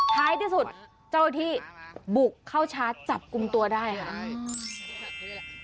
ท้ายที่สุดเจ้าที่บุกเข้าชาร์จจับกลุ่มตัวได้ค่ะ